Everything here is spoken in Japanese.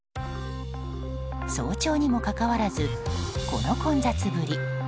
早朝にもかかわらずこの混雑ぶり。